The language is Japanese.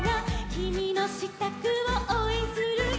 「きみのしたくをおうえんするよ」